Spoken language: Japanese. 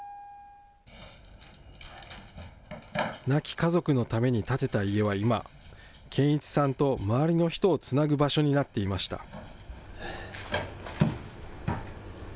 亡き家族のために建てた家は今、堅一さんと周りの人をつなぐ場所になっていました。